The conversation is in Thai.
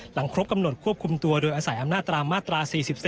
หลังครบตำรวจควบคุมตัวโดยอาศัยอำนาจรามาตรา๔๔